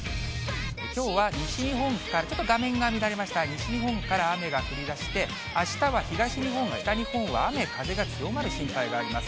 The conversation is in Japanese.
きょうは西日本から、ちょっと画面が乱れました、西日本から雨が降りだして、あしたは東日本や北日本は雨、風が強まる心配があります。